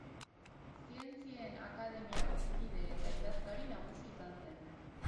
Zientzien Akademiako kide eta idazkari nagusi izan zen.